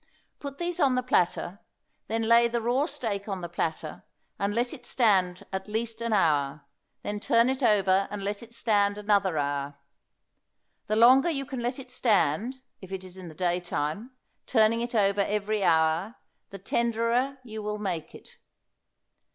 Put these on the platter; then lay the raw steak on the platter, and let it stand at least an hour; then turn it over and let it stand another hour. The longer you can let it stand, if it is in the daytime, turning it over every hour, the tenderer you will make it.